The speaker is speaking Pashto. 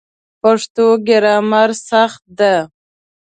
د پښتو ګرامر سخت ده